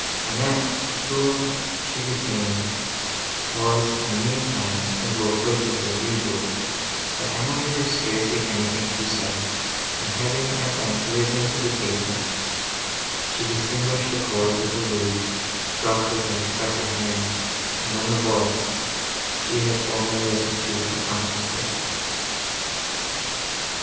Annette, whom she detained, was, in the meantime, as loquacious as usual; but Emily heard scarcely anything she said, and having at length risen to the casement, she distinguished the chords of the lute, struck with an expressive hand, and then the voice, she had formerly listened to, accompanied it.